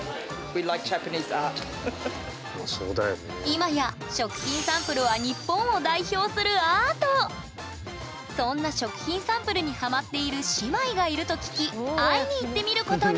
今や食品サンプルはそんな食品サンプルにハマっている姉妹がいると聞き会いに行ってみることに！